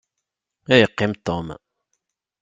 Ad yeqqim Tom.